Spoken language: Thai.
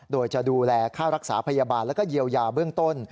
โดยจะดูแลค่ารักษาพยาบาลแล้วก็เยียวยาเบื้องต้น